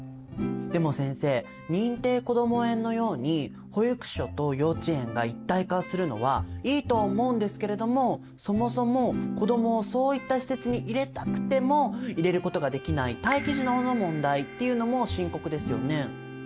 でも先生認定こども園のように保育所と幼稚園が一体化するのはいいと思うんですけれどもそもそも子どもをそういった施設に入れたくても入れることができない待機児童の問題っていうのも深刻ですよね。